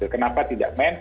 kenapa tidak mens